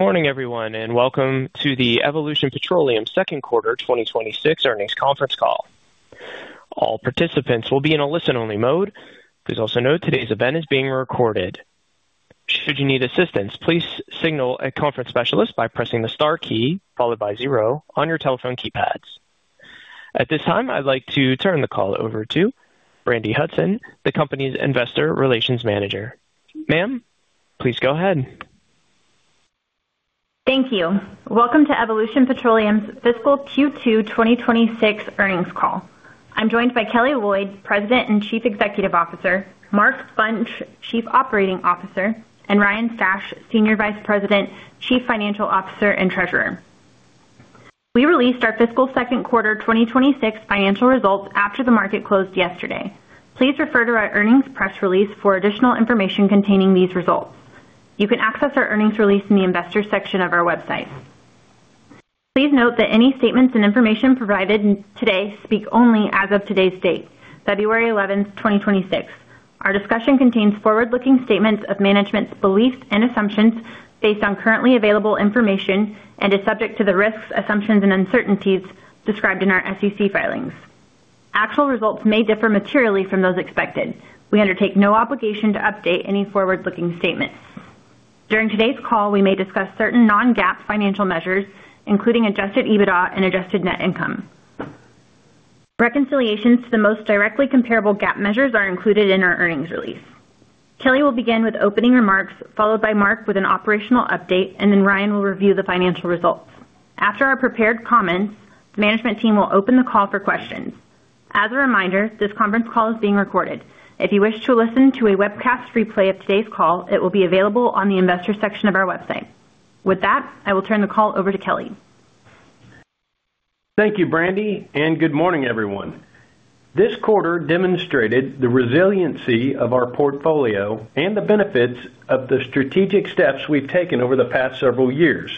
Morning everyone and welcome to the Evolution Petroleum second quarter 2026 Earnings Conference Call. All participants will be in a listen-only mode. Please also note today's event is being recorded. Should you need assistance, please signal a conference specialist by pressing the star key followed by zero on your telephone keypads. At this time, I'd like to turn the call over to Brandi Hudson, the company's investor relations manager. Ma'am, please go ahead. Thank you. Welcome to Evolution Petroleum's fiscal Q2 2026 earnings call. I'm joined by Kelly Loyd, President and Chief Executive Officer, Mark Bunch, Chief Operating Officer, and Ryan Stash, Senior Vice President, Chief Financial Officer and Treasurer. We released our fiscal second quarter 2026 financial results after the market closed yesterday. Please refer to our earnings press release for additional information containing these results. You can access our earnings release in the investors section of our website. Please note that any statements and information provided today speak only as of today's date, February 11, 2026. Our discussion contains forward-looking statements of management's beliefs and assumptions based on currently available information and is subject to the risks, assumptions, and uncertainties described in our SEC filings. Actual results may differ materially from those expected. We undertake no obligation to update any forward-looking statements. During today's call, we may discuss certain non-GAAP financial measures, including Adjusted EBITDA and Adjusted Net Income. Reconciliations to the most directly comparable GAAP measures are included in our earnings release. Kelly will begin with opening remarks, followed by Mark with an operational update, and then Ryan will review the financial results. After our prepared comments, the management team will open the call for questions. As a reminder, this conference call is being recorded. If you wish to listen to a webcast replay of today's call, it will be available on the investors section of our website. With that, I will turn the call over to Kelly. Thank you, Brandi, and good morning everyone. This quarter demonstrated the resiliency of our portfolio and the benefits of the strategic steps we've taken over the past several years.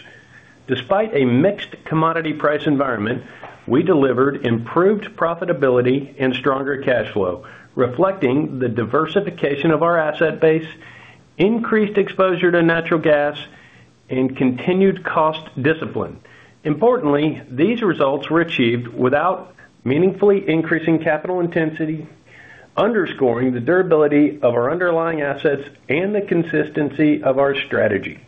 Despite a mixed commodity price environment, we delivered improved profitability and stronger cash flow, reflecting the diversification of our asset base, increased exposure to natural gas, and continued cost discipline. Importantly, these results were achieved without meaningfully increasing capital intensity, underscoring the durability of our underlying assets and the consistency of our strategy.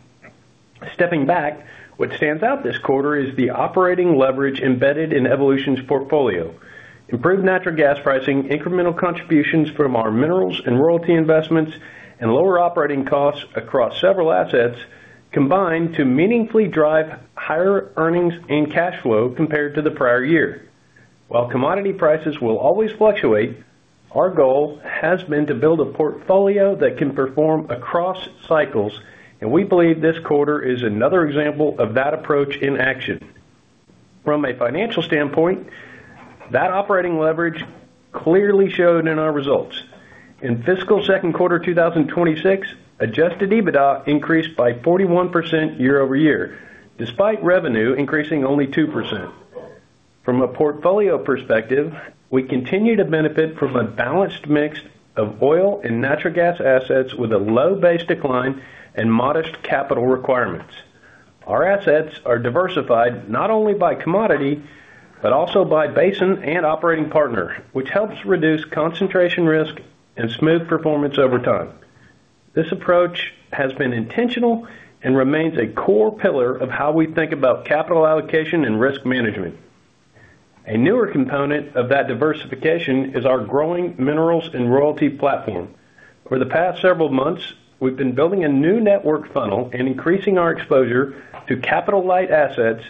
Stepping back, what stands out this quarter is the operating leverage embedded in Evolution's portfolio. Improved natural gas pricing, incremental contributions from our minerals and royalty investments, and lower operating costs across several assets combine to meaningfully drive higher earnings and cash flow compared to the prior year. While commodity prices will always fluctuate, our goal has been to build a portfolio that can perform across cycles, and we believe this quarter is another example of that approach in action. From a financial standpoint, that operating leverage clearly showed in our results. In fiscal second quarter 2026, Adjusted EBITDA increased by 41% year-over-year, despite revenue increasing only 2%. From a portfolio perspective, we continue to benefit from a balanced mix of oil and natural gas assets with a low base decline and modest capital requirements. Our assets are diversified not only by commodity but also by basin and operating partner, which helps reduce concentration risk and smooth performance over time. This approach has been intentional and remains a core pillar of how we think about capital allocation and risk management. A newer component of that diversification is our growing minerals and royalty platform. Over the past several months, we've been building a new network funnel and increasing our exposure to capital-light assets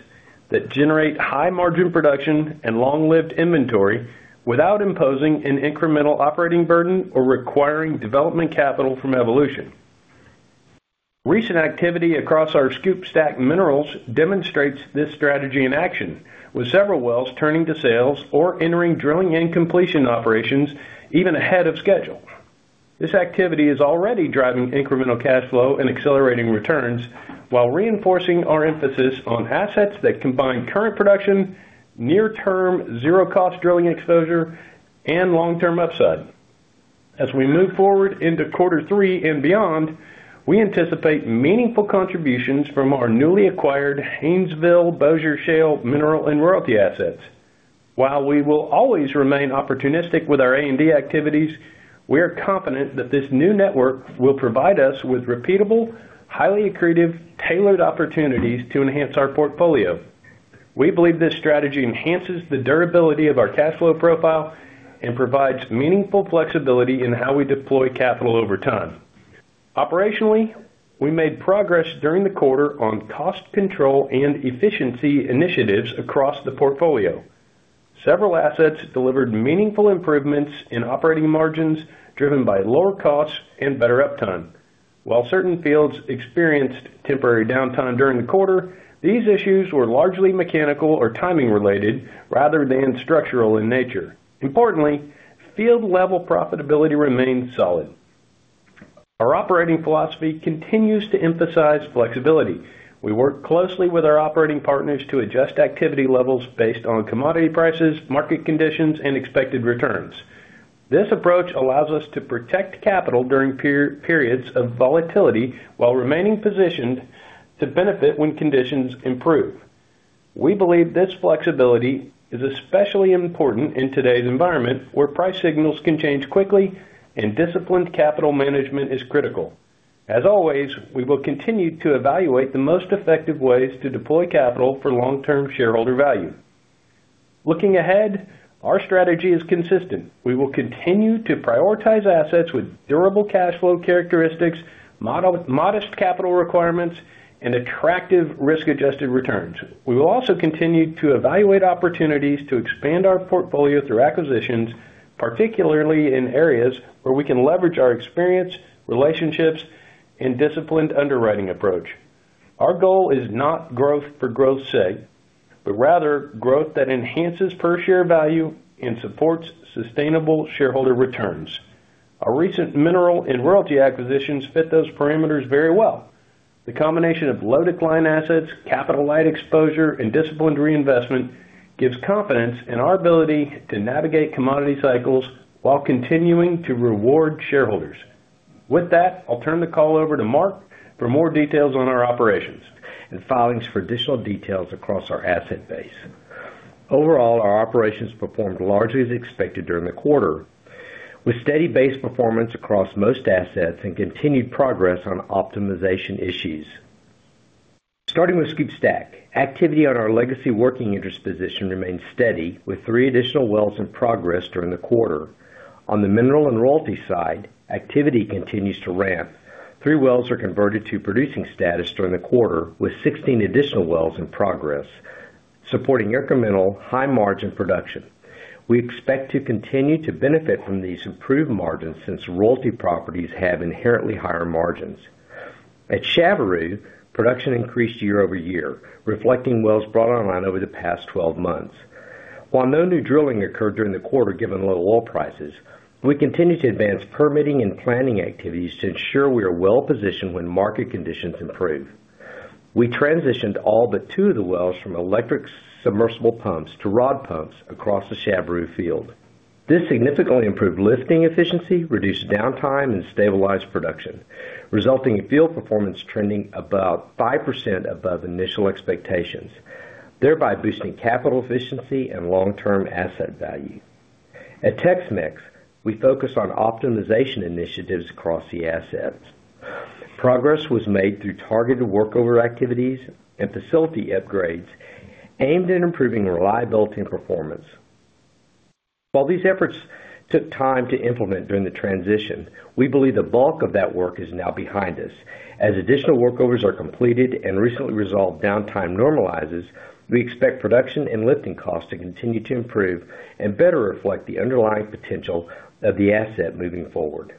that generate high-margin production and long-lived inventory without imposing an incremental operating burden or requiring development capital from Evolution. Recent activity across our SCOOP/STACK minerals demonstrates this strategy in action, with several wells turning to sales or entering drilling and completion operations even ahead of schedule. This activity is already driving incremental cash flow and accelerating returns while reinforcing our emphasis on assets that combine current production, near-term zero-cost drilling exposure, and long-term upside. As we move forward into quarter three and beyond, we anticipate meaningful contributions from our newly acquired Haynesville-Bossier Shale mineral and royalty assets. While we will always remain opportunistic with our A&D activities, we are confident that this new network will provide us with repeatable, highly accretive, tailored opportunities to enhance our portfolio. We believe this strategy enhances the durability of our cash flow profile and provides meaningful flexibility in how we deploy capital over time. Operationally, we made progress during the quarter on cost control and efficiency initiatives across the portfolio. Several assets delivered meaningful improvements in operating margins driven by lower costs and better uptime. While certain fields experienced temporary downtime during the quarter, these issues were largely mechanical or timing-related rather than structural in nature. Importantly, field-level profitability remained solid. Our operating philosophy continues to emphasize flexibility. We work closely with our operating partners to adjust activity levels based on commodity prices, market conditions, and expected returns. This approach allows us to protect capital during periods of volatility while remaining positioned to benefit when conditions improve. We believe this flexibility is especially important in today's environment where price signals can change quickly and disciplined capital management is critical. As always, we will continue to evaluate the most effective ways to deploy capital for long-term shareholder value. Looking ahead, our strategy is consistent. We will continue to prioritize assets with durable cash flow characteristics, modest capital requirements, and attractive risk-adjusted returns. We will also continue to evaluate opportunities to expand our portfolio through acquisitions, particularly in areas where we can leverage our experience, relationships, and disciplined underwriting approach. Our goal is not growth for growth's sake, but rather growth that enhances per-share value and supports sustainable shareholder returns. Our recent mineral and royalty acquisitions fit those parameters very well. The combination of low-decline assets, capital-light exposure, and disciplined reinvestment gives confidence in our ability to navigate commodity cycles while continuing to reward shareholders. With that, I'll turn the call over to Mark for more details on our operations. Filings for additional details across our asset base. Overall, our operations performed largely as expected during the quarter, with steady base performance across most assets and continued progress on optimization issues. Starting with SCOOP/STACK, activity on our legacy working interest position remains steady, with three additional wells in progress during the quarter. On the mineral and royalty side, activity continues to ramp. Three wells are converted to producing status during the quarter, with 16 additional wells in progress supporting incremental high-margin production. We expect to continue to benefit from these improved margins since royalty properties have inherently higher margins. At Chaveroo, production increased year-over-year, reflecting wells brought online over the past 12 months. While no new drilling occurred during the quarter given low oil prices, we continue to advance permitting and planning activities to ensure we are well-positioned when market conditions improve. We transitioned all but two of the wells from electric submersible pumps to rod pumps across the Chaveroo field. This significantly improved lifting efficiency, reduced downtime, and stabilized production, resulting in field performance trending about 5% above initial expectations, thereby boosting capital efficiency and long-term asset value. At Tex-Mex, we focus on optimization initiatives across the assets. Progress was made through targeted workover activities and facility upgrades aimed at improving reliability and performance. While these efforts took time to implement during the transition, we believe the bulk of that work is now behind us. As additional workovers are completed and recently resolved downtime normalizes, we expect production and lifting costs to continue to improve and better reflect the underlying potential of the asset moving forward.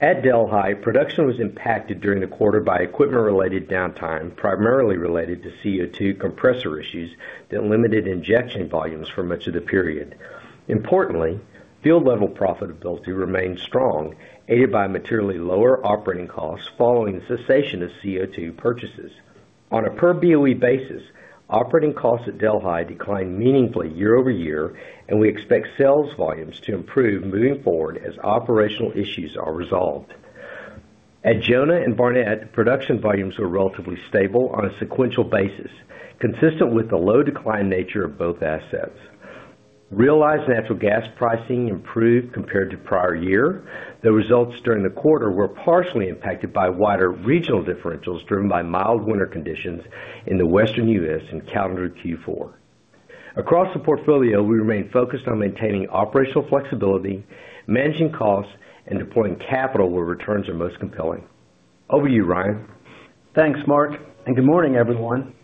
At Delhi, production was impacted during the quarter by equipment-related downtime, primarily related to CO2 compressor issues that limited injection volumes for much of the period. Importantly, field-level profitability remained strong, aided by materially lower operating costs following the cessation of CO2 purchases. On a per-BOE basis, operating costs at Delhi declined meaningfully year-over-year, and we expect sales volumes to improve moving forward as operational issues are resolved. At Jonah and Barnett, production volumes were relatively stable on a sequential basis, consistent with the low-decline nature of both assets. Realized natural gas pricing improved compared to prior year, though results during the quarter were partially impacted by wider regional differentials driven by mild winter conditions in the Western U.S. in calendar Q4. Across the portfolio, we remain focused on maintaining operational flexibility, managing costs, and deploying capital where returns are most compelling. Over to you, Ryan. Thanks, Mark, and good morning, everyone.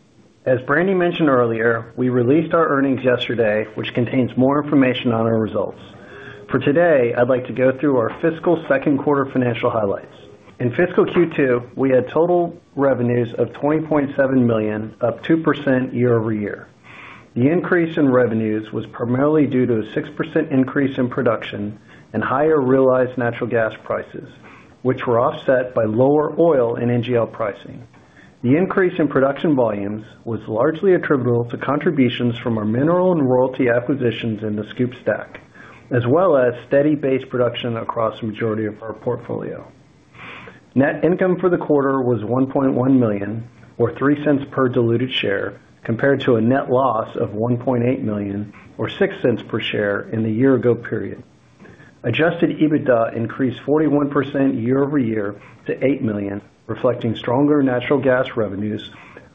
As Brandi mentioned earlier, we released our earnings yesterday, which contains more information on our results. For today, I'd like to go through our fiscal second quarter financial highlights. In fiscal Q2, we had total revenues of $20.7 million, up 2% year-over-year. The increase in revenues was primarily due to a 6% increase in production and higher realized natural gas prices, which were offset by lower oil and NGL pricing. The increase in production volumes was largely attributable to contributions from our mineral and royalty acquisitions in the SCOOP/STACK, as well as steady base production across the majority of our portfolio. Net income for the quarter was $1.1 million, or $0.03 per diluted share, compared to a net loss of $1.8 million, or $0.06 per share, in the year-ago period. Adjusted EBITDA increased 41% year-over-year to $8 million, reflecting stronger natural gas revenues,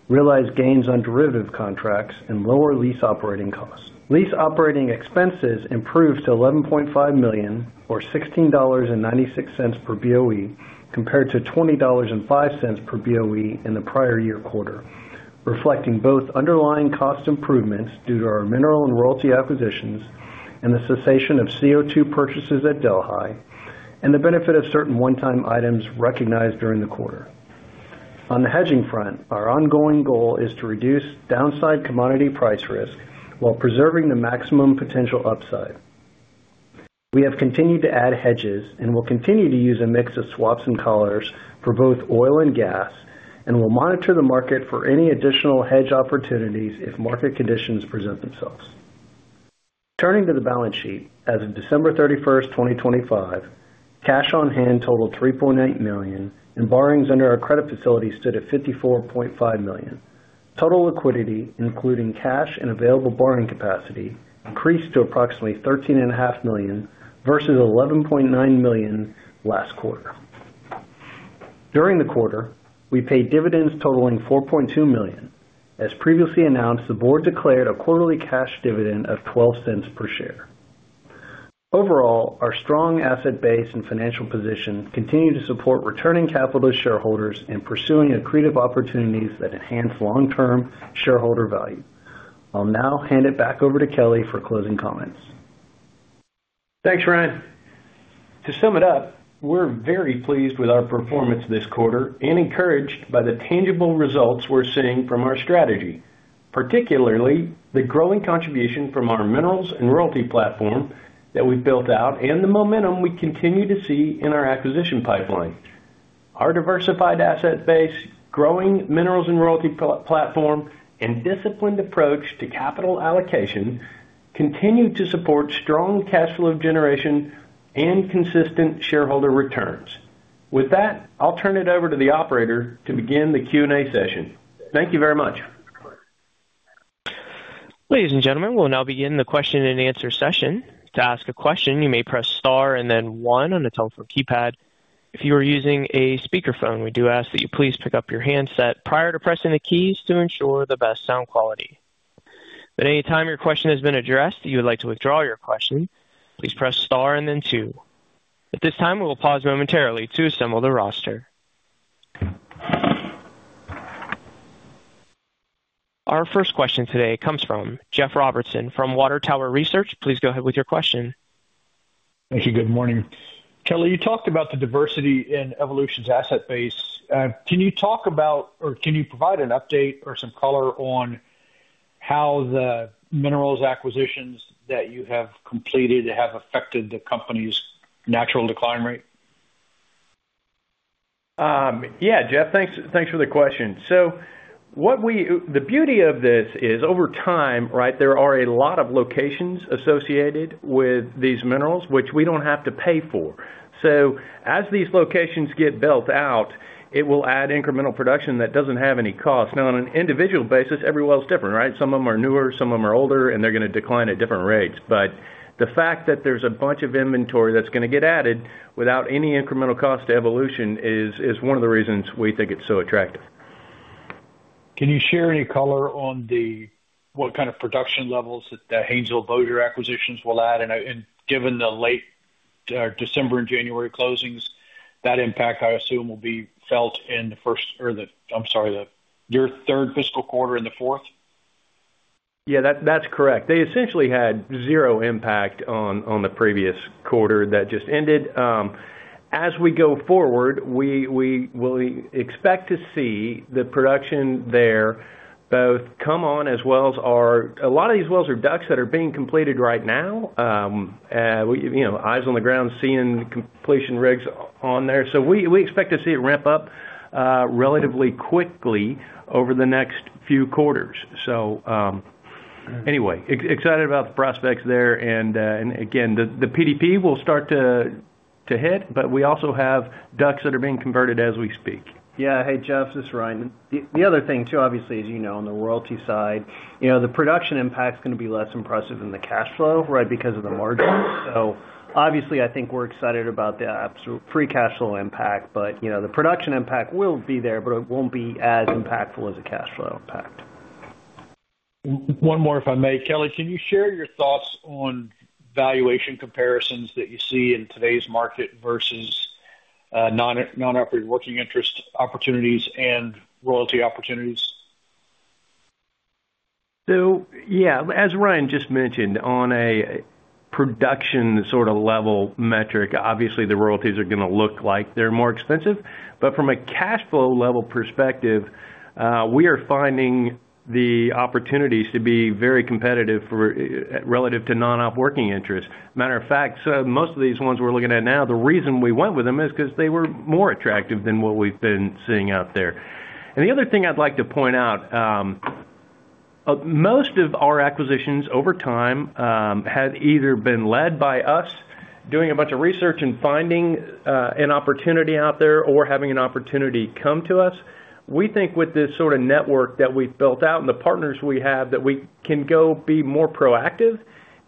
realized gains on derivative contracts, and lower lease operating costs. Lease operating expenses improved to $11.5 million, or $16.96 per BOE, compared to $20.05 per BOE in the prior year quarter, reflecting both underlying cost improvements due to our mineral and royalty acquisitions and the cessation of CO2 purchases at Delhi, and the benefit of certain one-time items recognized during the quarter. On the hedging front, our ongoing goal is to reduce downside commodity price risk while preserving the maximum potential upside. We have continued to add hedges and will continue to use a mix of swaps and collars for both oil and gas, and will monitor the market for any additional hedge opportunities if market conditions present themselves. Turning to the balance sheet, as of December 31st, 2025, cash on hand totaled $3.8 million, and borrowings under our credit facility stood at $54.5 million. Total liquidity, including cash and available borrowing capacity, increased to approximately $13.5 million versus $11.9 million last quarter. During the quarter, we paid dividends totaling $4.2 million. As previously announced, the board declared a quarterly cash dividend of $0.12 per share. Overall, our strong asset base and financial position continue to support returning capital to shareholders in pursuing accretive opportunities that enhance long-term shareholder value. I'll now hand it back over to Kelly for closing comments. Thanks, Ryan. To sum it up, we're very pleased with our performance this quarter and encouraged by the tangible results we're seeing from our strategy, particularly the growing contribution from our minerals and royalty platform that we've built out and the momentum we continue to see in our acquisition pipeline. Our diversified asset base, growing minerals and royalty platform, and disciplined approach to capital allocation continue to support strong cash flow generation and consistent shareholder returns. With that, I'll turn it over to the operator to begin the Q&A session. Thank you very much. Ladies and gentlemen, we'll now begin the question-and-answer session. To ask a question, you may press star and then one on the telephone keypad. If you are using a speakerphone, we do ask that you please pick up your handset prior to pressing the keys to ensure the best sound quality. At any time your question has been addressed that you would like to withdraw your question, please press star and then two. At this time, we will pause momentarily to assemble the roster. Our first question today comes from Jeff Robertson from Water Tower Research. Please go ahead with your question. Thank you. Good morning. Kelly, you talked about the diversity in Evolution's asset base. Can you talk about or can you provide an update or some color on how the minerals acquisitions that you have completed have affected the company's natural decline rate? Yeah, Jeff. Thanks for the question. So the beauty of this is, over time, there are a lot of locations associated with these minerals, which we don't have to pay for. So as these locations get built out, it will add incremental production that doesn't have any cost. Now, on an individual basis, every well is different, right? Some of them are newer, some of them are older, and they're going to decline at different rates. But the fact that there's a bunch of inventory that's going to get added without any incremental cost to Evolution is one of the reasons we think it's so attractive. Can you share any color on what kind of production levels that the Haynesville-Bossier acquisitions will add? And given the late December and January closings, that impact, I assume, will be felt in the first or the I'm sorry, your third fiscal quarter and the fourth? Yeah, that's correct. They essentially had zero impact on the previous quarter that just ended. As we go forward, we will expect to see the production there both come on as well as a lot of these wells are DUCs that are being completed right now. Eyes on the ground seeing completion rigs on there. So we expect to see it ramp up relatively quickly over the next few quarters. So anyway, excited about the prospects there. And again, the PDP will start to hit, but we also have DUCs that are being converted as we speak. Yeah. Hey, Jeff. This is Ryan. The other thing too, obviously, as you know, on the royalty side, the production impact's going to be less impressive than the cash flow because of the margins. So obviously, I think we're excited about the free cash flow impact, but the production impact will be there, but it won't be as impactful as the cash flow impact. One more, if I may. Kelly, can you share your thoughts on valuation comparisons that you see in today's market versus non-operated working interest opportunities and royalty opportunities? So yeah, as Ryan just mentioned, on a production sort of level metric, obviously, the royalties are going to look like they're more expensive. But from a cash flow level perspective, we are finding the opportunities to be very competitive relative to non-op working interest. Matter of fact, so most of these ones we're looking at now, the reason we went with them is because they were more attractive than what we've been seeing out there. And the other thing I'd like to point out, most of our acquisitions over time had either been led by us doing a bunch of research and finding an opportunity out there or having an opportunity come to us. We think with this sort of network that we've built out and the partners we have that we can go be more proactive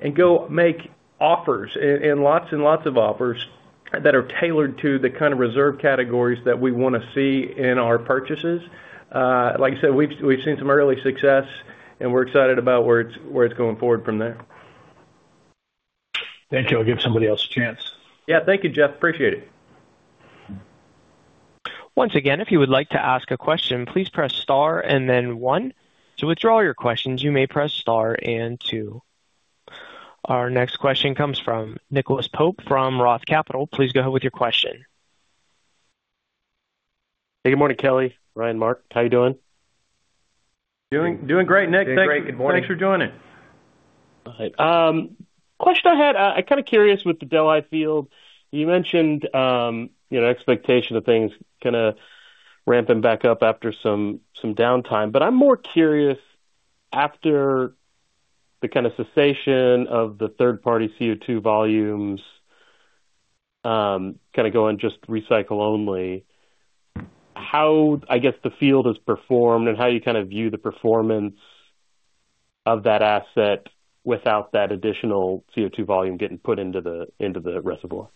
and go make offers and lots and lots of offers that are tailored to the kind of reserve categories that we want to see in our purchases. Like I said, we've seen some early success, and we're excited about where it's going forward from there. Thank you. I'll give somebody else a chance. Yeah. Thank you, Jeff. Appreciate it. Once again, if you would like to ask a question, please press star and then one. To withdraw your questions, you may press star and two. Our next question comes from Nicholas Pope from Roth Capital. Please go ahead with your question. Hey, good morning, Kelly, Ryan, Mark. How you doing? Doing great, Nick. Thanks for joining. All right. Question I had, I'm kind of curious with the Delhi Field. You mentioned expectation of things kind of ramping back up after some downtime, but I'm more curious after the kind of cessation of the third-party CO2 volumes kind of going just recycle-only, how, I guess, the field has performed and how you kind of view the performance of that asset without that additional CO2 volume getting put into the reservoir.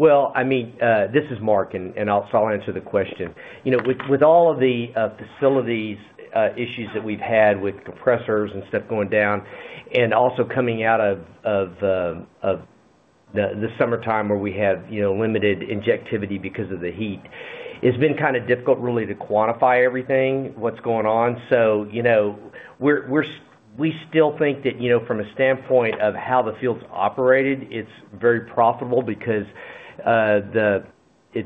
Well, I mean, this is Mark, and so I'll answer the question. With all of the facilities issues that we've had with compressors and stuff going down and also coming out of the summertime where we had limited injectivity because of the heat, it's been kind of difficult, really, to quantify everything, what's going on. So we still think that from a standpoint of how the field's operated, it's very profitable because if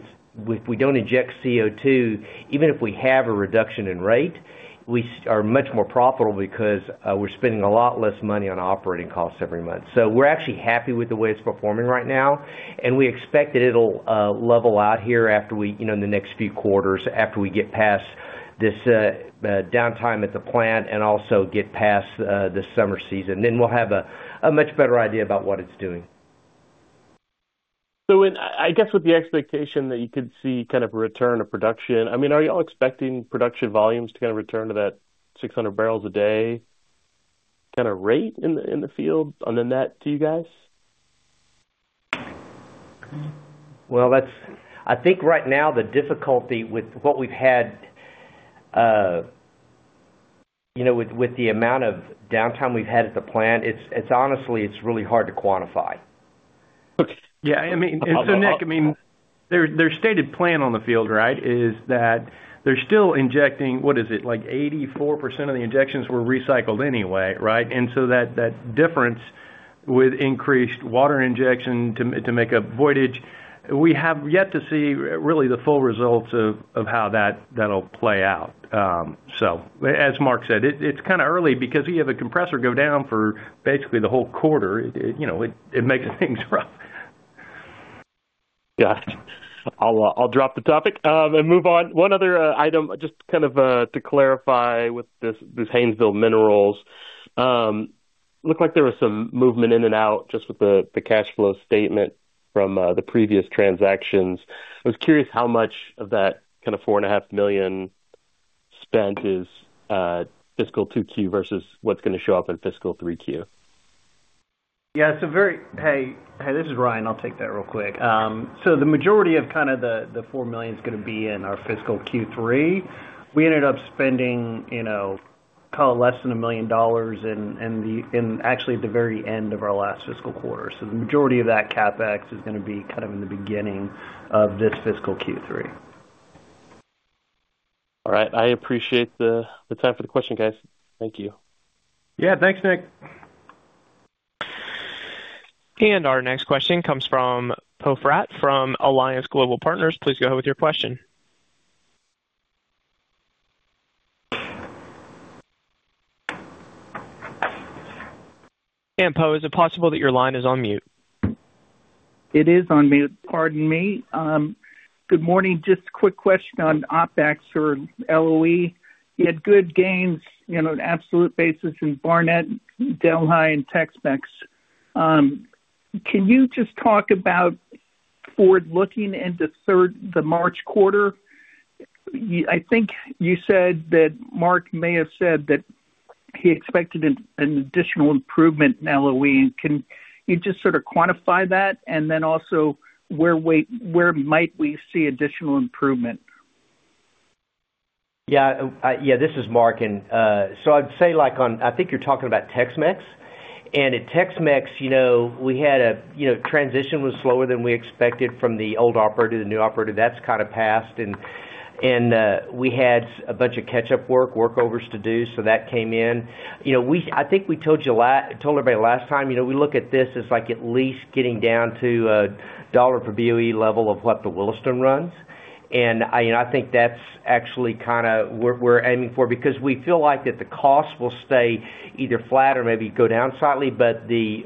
we don't inject CO2, even if we have a reduction in rate, we are much more profitable because we're spending a lot less money on operating costs every month. So we're actually happy with the way it's performing right now, and we expect that it'll level out here in the next few quarters after we get past this downtime at the plant and also get past the summer season. Then we'll have a much better idea about what it's doing. So I guess with the expectation that you could see kind of a return of production, I mean, are you all expecting production volumes to kind of return to that 600 barrels a day kind of rate in the field on that to you guys? Well, I think right now, the difficulty with what we've had with the amount of downtime we've had at the plant, honestly, it's really hard to quantify. Okay. Yeah. And so, Nick, I mean, their stated plan on the field, right, is that they're still injecting what is it? 84% of the injections were recycled anyway, right? And so that difference with increased water injection to make voidage, we have yet to see, really, the full results of how that'll play out. So as Mark said, it's kind of early because you have a compressor go down for basically the whole quarter. It makes things rough. Got it. I'll drop the topic and move on. One other item, just kind of to clarify with these Haynesville minerals, looked like there was some movement in and out just with the cash flow statement from the previous transactions. I was curious how much of that kind of $4.5 million spent is fiscal 2Q versus what's going to show up in fiscal 3Q? Yeah. Hey, this is Ryan. I'll take that real quick. So the majority of kind of the $4 million is going to be in our fiscal Q3. We ended up spending, call it, less than $1 million in actually at the very end of our last fiscal quarter. So the majority of that CapEx is going to be kind of in the beginning of this fiscal Q3. All right. I appreciate the time for the question, guys. Thank you. Yeah. Thanks, Nick. Our next question comes from Poe Fratt from Alliance Global Partners. Please go ahead with your question. Po, is it possible that your line is on mute? It is on mute. Pardon me. Good morning. Just a quick question on OpEx for LOE. You had good gains on an absolute basis in Barnett, Delhi, and Tex-Mex. Can you just talk about forward-looking into the March quarter? I think you said that Mark may have said that he expected an additional improvement in LOE. Can you just sort of quantify that? And then also, where might we see additional improvement? Yeah. Yeah. This is Mark. And so I'd say on, I think you're talking about Tex-Mex. And at Tex-Mex, we had a transition was slower than we expected from the old operator to the new operator. That's kind of passed. And we had a bunch of catch-up work, workovers to do, so that came in. I think we told everybody last time, we look at this as at least getting down to a $1-per-BOE level of what the Williston runs. And I think that's actually kind of what we're aiming for because we feel like that the cost will stay either flat or maybe go down slightly, but the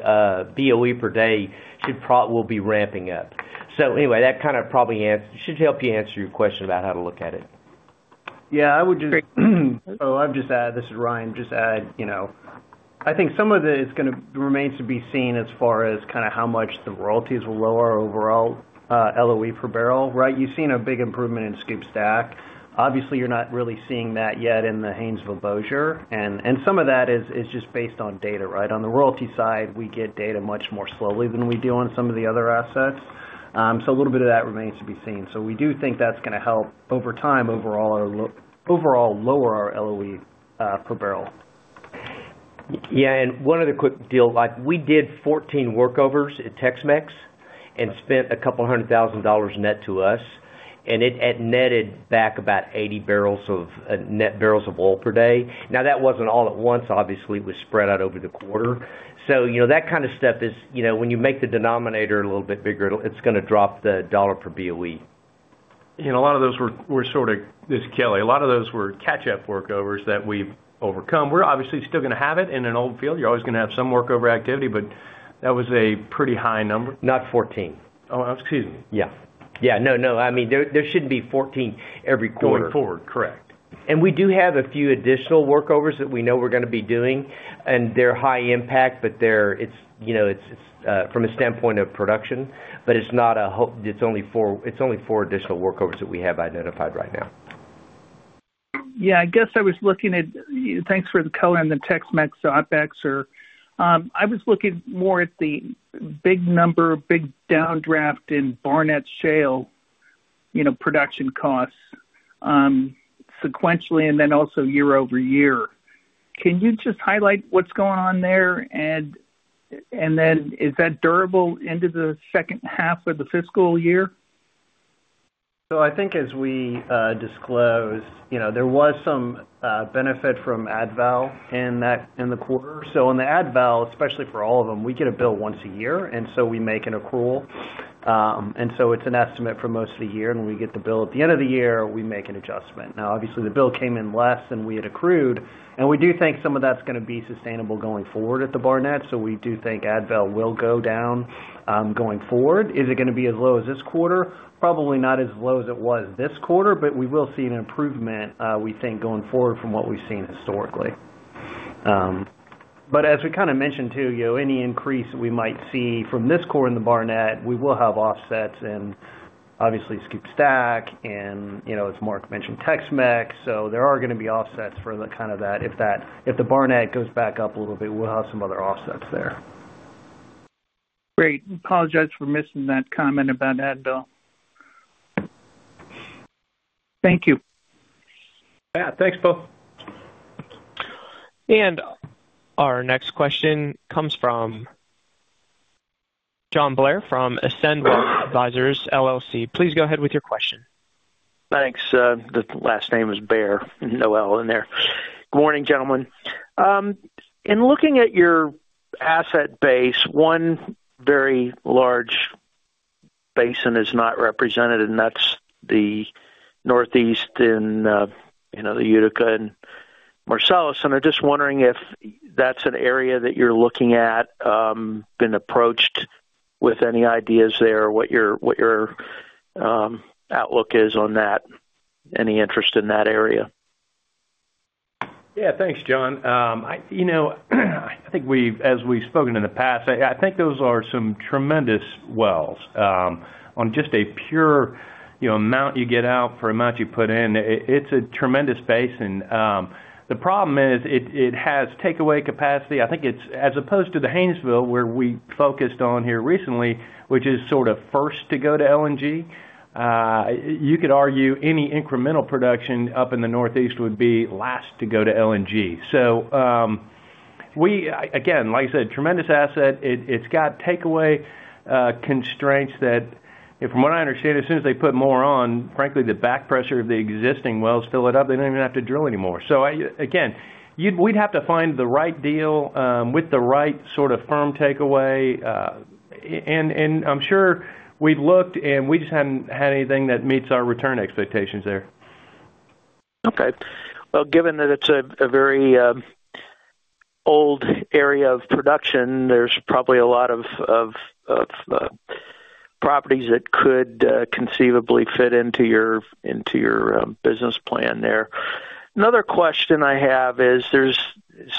BOE per day will be ramping up. So anyway, that kind of probably should help you answer your question about how to look at it. Yeah. Oh, I'll just add this is Ryan. Just add, I think some of it remains to be seen as far as kind of how much the royalties will lower overall LOE per barrel, right? You've seen a big improvement in SCOOP/STACK. Obviously, you're not really seeing that yet in the Haynesville-Bossier. And some of that is just based on data, right? On the royalty side, we get data much more slowly than we do on some of the other assets. So a little bit of that remains to be seen. So we do think that's going to help over time, overall, lower our LOE per barrel. Yeah. One other quick deal, we did 14 workovers at Tex-Mex and spent $200,000 net to us. It netted back about 80 barrels of net barrels of oil per day. Now, that wasn't all at once. Obviously, it was spread out over the quarter. So that kind of stuff is when you make the denominator a little bit bigger, it's going to drop the dollar per BOE. A lot of those were sort of—this is Kelly. A lot of those were catch-up workovers that we've overcome. We're obviously still going to have it in an old field. You're always going to have some workover activity, but that was a pretty high number. Not 14. Oh, excuse me. Yeah. Yeah. No, no. I mean, there shouldn't be 14 every quarter. Going forward. Correct. We do have a few additional workovers that we know we're going to be doing, and they're high impact, but it's from a standpoint of production. It's only four additional workovers that we have identified right now. Yeah. I guess I was looking at thanks for the color in the Tex-Mex OpEx or I was looking more at the big number, big downdraft in Barnett Shale production costs sequentially and then also year-over-year. Can you just highlight what's going on there? And then is that durable into the second half of the fiscal year? So I think as we disclosed, there was some benefit from ad val in the quarter. So on the ad val, especially for all of them, we get a bill once a year, and so we make an accrual. And so it's an estimate for most of the year, and we get the bill. At the end of the year, we make an adjustment. Now, obviously, the bill came in less than we had accrued. And we do think some of that's going to be sustainable going forward at the Barnett. So we do think ad val will go down going forward. Is it going to be as low as this quarter? Probably not as low as it was this quarter, but we will see an improvement, we think, going forward from what we've seen historically. But as we kind of mentioned too, any increase we might see from this quarter in the Barnett, we will have offsets in, obviously, SCOOP/STACK, and as Mark mentioned, Tex-Mex. So there are going to be offsets for kind of that. If the Barnett goes back up a little bit, we'll have some other offsets there. Great. Apologize for missing that comment about ad val. Thank you. Yeah. Thanks, Po. Our next question comes from John Bair from Ascend Wealth Advisors, LLC. Please go ahead with your question. Thanks. The last name is Bair, no L in there. Good morning, gentlemen. In looking at your asset base, one very large basin is not represented, and that's the Northeast in the Utica and Marcellus. I'm just wondering if that's an area that you're looking at, been approached with any ideas there, what your outlook is on that, any interest in that area. Yeah. Thanks, John. I think as we've spoken in the past, I think those are some tremendous wells. On just a pure amount you get out for amount you put in, it's a tremendous basin. The problem is it has takeaway capacity. I think it's as opposed to the Haynesville where we focused on here recently, which is sort of first to go to LNG, you could argue any incremental production up in the Northeast would be last to go to LNG. So again, like I said, tremendous asset. It's got takeaway constraints that from what I understand, as soon as they put more on, frankly, the backpressure of the existing wells fill it up. They don't even have to drill anymore. So again, we'd have to find the right deal with the right sort of firm takeaway. I'm sure we've looked, and we just haven't had anything that meets our return expectations there. Okay. Well, given that it's a very old area of production, there's probably a lot of properties that could conceivably fit into your business plan there. Another question I have is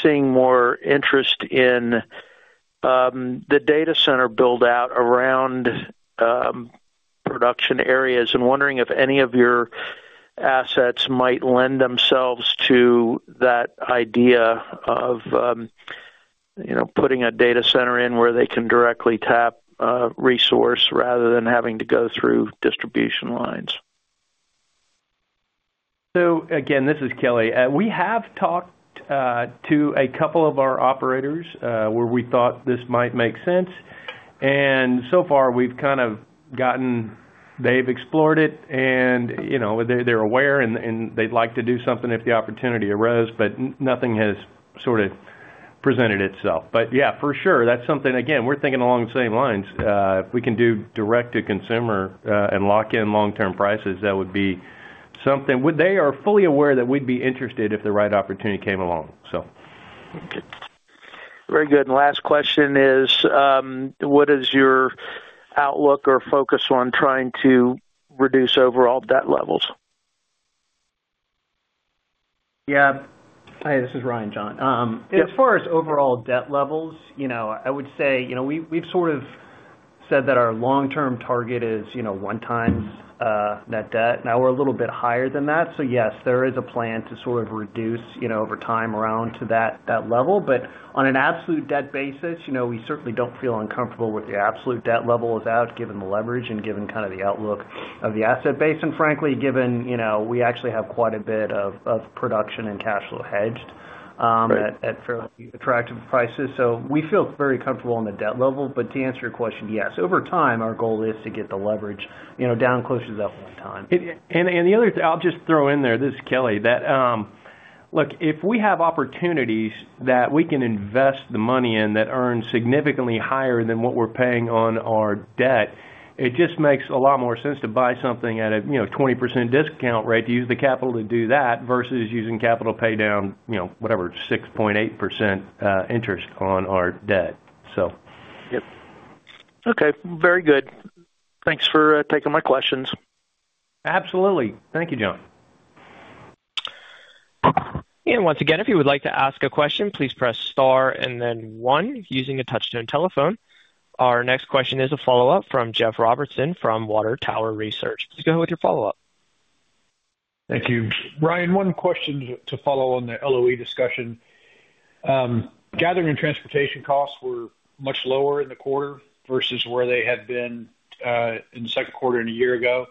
seeing more interest in the data center buildout around production areas and wondering if any of your assets might lend themselves to that idea of putting a data center in where they can directly tap resource rather than having to go through distribution lines? So again, this is Kelly. We have talked to a couple of our operators where we thought this might make sense. And so far, we've kind of gotten they've explored it, and they're aware, and they'd like to do something if the opportunity arose, but nothing has sort of presented itself. But yeah, for sure, that's something again, we're thinking along the same lines. If we can do direct-to-consumer and lock-in long-term prices, that would be something they are fully aware that we'd be interested if the right opportunity came along, so. Very good. Last question is, what is your outlook or focus on trying to reduce overall debt levels? Yeah. Hi. This is Ryan, John. As far as overall debt levels, I would say we've sort of said that our long-term target is 1x net debt. Now, we're a little bit higher than that. So yes, there is a plan to sort of reduce over time around to that level. But on an absolute debt basis, we certainly don't feel uncomfortable with the absolute debt level is out given the leverage and given kind of the outlook of the asset basin, frankly, given we actually have quite a bit of production and cash flow hedged at fairly attractive prices. So we feel very comfortable on the debt level. But to answer your question, yes, over time, our goal is to get the leverage down closer to that 1x. The other thing I'll just throw in there, this is Kelly, that look, if we have opportunities that we can invest the money in that earn significantly higher than what we're paying on our debt, it just makes a lot more sense to buy something at a 20% discount rate to use the capital to do that versus using capital paydown, whatever, 6.8% interest on our debt, so. Yep. Okay. Very good. Thanks for taking my questions. Absolutely. Thank you, John. And once again, if you would like to ask a question, please press star and then one using a touch-tone telephone. Our next question is a follow-up from Jeff Robertson from Water Tower Research. Please go ahead with your follow-up. Thank you. Ryan, one question to follow on the LOE discussion. Gathering and transportation costs were much lower in the quarter versus where they had been in the second quarter and a year ago.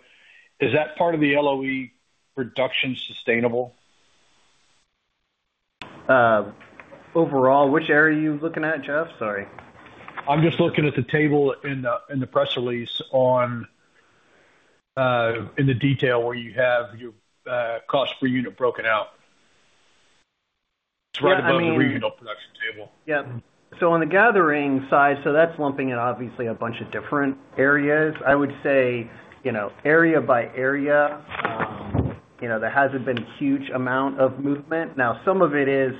Is that part of the LOE production sustainable? Overall, which area are you looking at, Jeff? Sorry. I'm just looking at the table in the press release in the detail where you have your cost per unit broken out. It's right above the regional production table. Yep. So on the gathering side, so that's lumping in, obviously, a bunch of different areas. I would say area by area, there hasn't been a huge amount of movement. Now, some of it is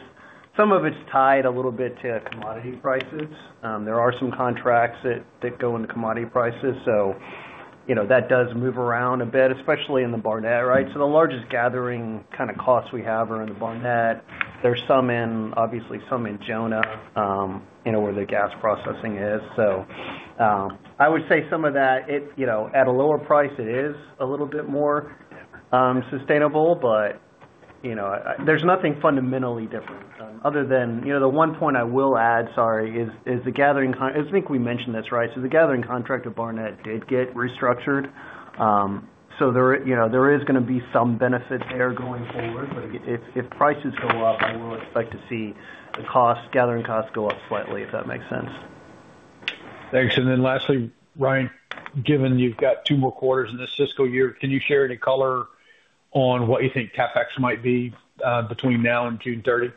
some of it's tied a little bit to commodity prices. There are some contracts that go into commodity prices, so that does move around a bit, especially in the Barnett, right? So the largest gathering kind of costs we have are in the Barnett. There's obviously some in Jonah where the gas processing is. So I would say some of that at a lower price, it is a little bit more sustainable, but there's nothing fundamentally different other than the one point I will add, sorry, is the gathering I think we mentioned this, right? So the gathering contract at Barnett did get restructured. So there is going to be some benefit there going forward, but if prices go up, I will expect to see the gathering costs go up slightly, if that makes sense. Thanks. Then lastly, Ryan, given you've got two more quarters in this fiscal year, can you share any color on what you think CapEx might be between now and June 30?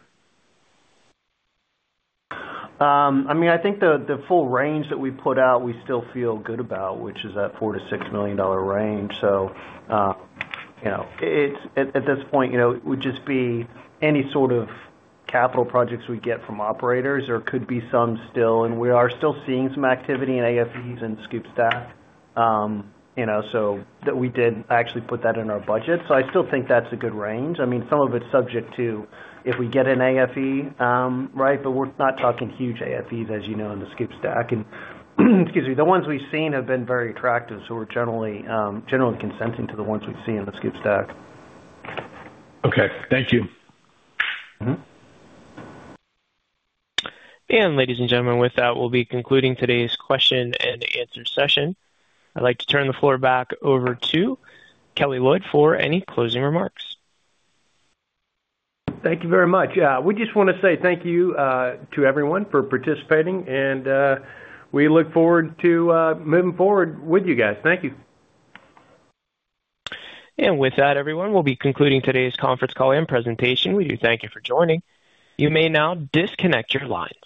I mean, I think the full range that we put out, we still feel good about, which is that $4 million-$6 million range. So at this point, it would just be any sort of capital projects we get from operators. There could be some still, and we are still seeing some activity in AFEs in SCOOP/STACK that we did actually put that in our budget. So I still think that's a good range. I mean, some of it's subject to if we get an AFE, right? But we're not talking huge AFEs, as you know, in the SCOOP/STACK. And excuse me, the ones we've seen have been very attractive, so we're generally consenting to the ones we've seen in the SCOOP/STACK. Okay. Thank you. Ladies and gentlemen, with that, we'll be concluding today's question and answer session. I'd like to turn the floor back over to Kelly Loyd for any closing remarks. Thank you very much. We just want to say thank you to everyone for participating, and we look forward to moving forward with you guys. Thank you. With that, everyone, we'll be concluding today's conference call and presentation. We do thank you for joining. You may now disconnect your lines.